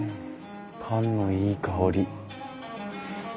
パンのいい香り。